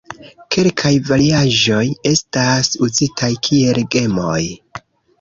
Kelkaj variaĵoj estas uzitaj kiel gemoj.